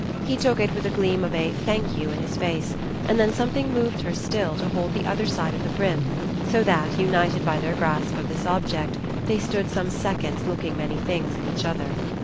He took it with a gleam of a "thank you" in his face, and then something moved her still to hold the other side of the brim; so that, united by their grasp of this object, they stood some seconds looking many things at each other.